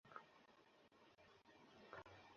আমি গিয়ে দেখা করব।